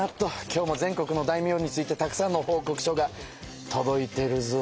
今日も全国の大名についてたくさんの報告書がとどいてるぞ。